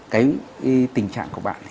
cái tình trạng của bạn